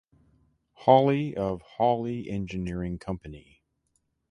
Hawley of Hawley Engineering Company.